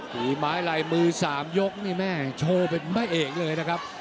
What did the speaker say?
ฝีไม้ลายมือ๓ยกนี่แม่โชว์เป็นพระเอกเลยนะครับ